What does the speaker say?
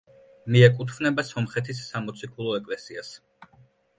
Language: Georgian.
მიეკუთვნება სომხეთის სამოციქულო ეკლესიას.